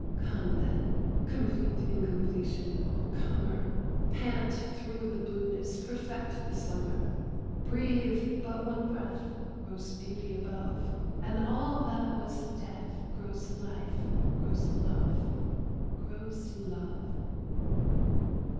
Come then, complete incompletion, O comer, Pant through the blueness, perfect the summer! Breathe but one breath Rose beauty above, And all that was death Grows life, grows love, Grows love!